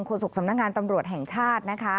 ศกสำนักงานตำรวจแห่งชาตินะคะ